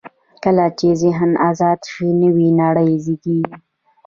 کله چې ذهن آزاد شي، نوې نړۍ زېږي.